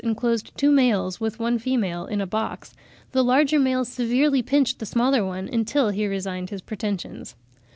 enclosed two males with one female in a box, the larger male severely pinched the smaller one, until he resigned his pretensions.